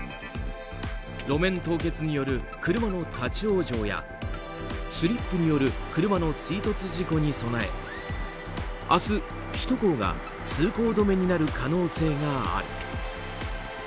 路面凍結による車の立ち往生やスリップによる車の追突事故に備え明日、首都高が通行止めになる可能性がある。